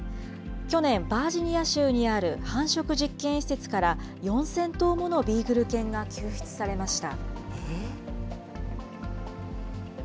去年、バージニア州にある繁殖実験施設から４０００頭ものビーグル犬が救出されました。